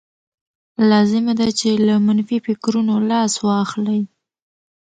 لازمه ده چې له منفي فکرونو لاس واخلئ.